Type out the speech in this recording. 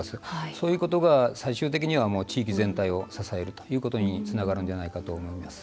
そういうことが最終的には地域全体を支えることにつながるんじゃないかと思います。